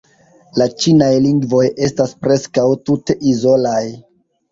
La ĉinaj lingvoj estas preskaŭ tute izolaj.